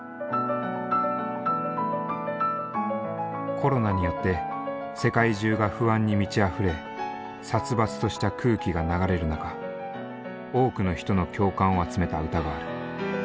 コロナによって世界中が不安に満ちあふれ殺伐とした空気が流れる中多くの人の共感を集めた歌がある。